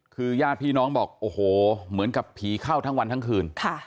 คือญาติพี่น้องบอกโอ้โหเหมือนกับผีเข้าทั้งวันทั้งคืน